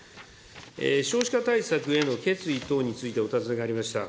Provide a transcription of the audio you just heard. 少子化対策への決意等についてお尋ねがありました。